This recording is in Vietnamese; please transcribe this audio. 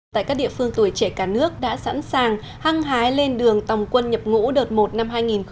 tại các địa phương tuổi trẻ cả nước đã sẵn sàng hăng hái lên đường tòng quân nhập ngũ đợt một năm hai nghìn hai mươi